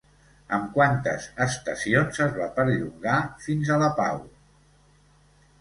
Amb quantes estacions es va perllongar fins a la Pau?